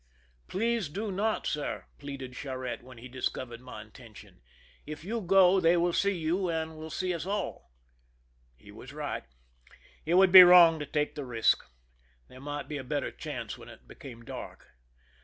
^* Please do not, sir," pleaded Oharette, when he discovered my in tention. " If you go they will see you and will see us aU." He was right. It would be wrong to take the risk. There might be a better chance when it became dark.